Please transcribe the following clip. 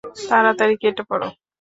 তাড়াতাড়ি কেটে পড়!